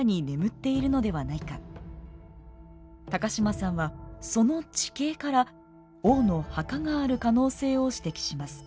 高島さんはその地形から王の墓がある可能性を指摘します。